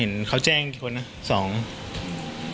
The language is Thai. เห็นเขาแจ้งกี่คนนะ๒